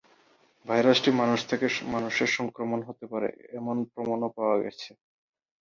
ভাইরাসটি মানুষ থেকে মানুষে সংক্রমণ হতে পারে, এমন প্রমাণও পাওয়া গেছে।